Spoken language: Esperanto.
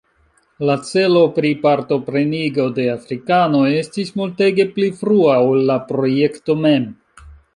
La celo pri partoprenigo de afrikanoj estis multege pli frua ol la projekto mem.